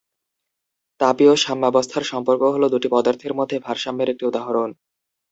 তাপীয় সাম্যাবস্থার সম্পর্ক হল দুটি পদার্থের মধ্যে ভারসাম্যের একটি উদাহরণ।